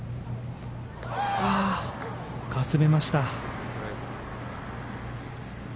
ああ、かすめました。